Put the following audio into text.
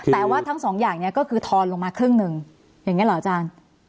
แต่ว่าทั้งสองอย่างนี้ก็คือทอนลงมาครึ่งหนึ่งอย่างนี้เหรออาจารย์